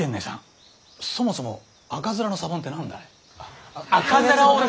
そもそも赤面のサボンって何だい？